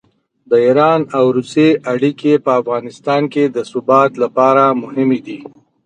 د ایران او روسیې اړیکې په افغانستان کې د ثبات لپاره مهمې دي.